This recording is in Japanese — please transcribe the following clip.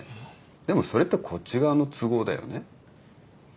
でもそれってこっち側の都合だよね。